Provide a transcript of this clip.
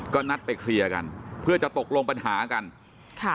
ก็นัดไปเคลียร์กันเพื่อจะตกลงปัญหากันค่ะ